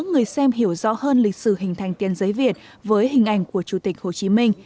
người xem hiểu rõ hơn lịch sử hình thành tiền giấy việt với hình ảnh của chủ tịch hồ chí minh